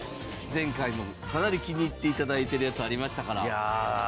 前回もかなり気に入って頂いてるやつありましたから。